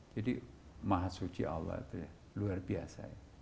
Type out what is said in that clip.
jadi mahasuci allah itu ya luar biasa ya